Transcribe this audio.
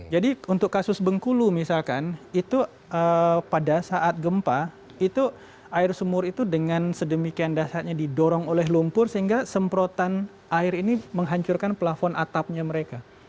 jadi untuk kasus bengkulu misalkan itu pada saat gempa itu air sumur itu dengan sedemikian dasarnya didorong oleh lumpur sehingga semprotan air ini menghancurkan plafon atapnya mereka